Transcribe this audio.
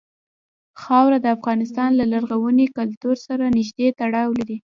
خاوره د افغانستان له لرغوني کلتور سره نږدې تړاو لري.